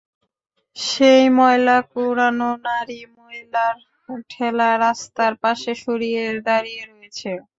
সেই ময়লা কুড়ানো নারী, ময়লার ঠেলা রাস্তার পাশে সরিয়ে দাঁড়িয়ে রয়েছে।